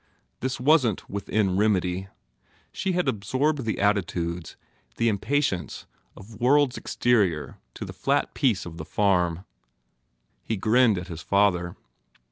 This wasn t within remedy. She had absorbed the attitudes, the impatience of worlds exterior to the flat peace of the farm. He grinned at his father.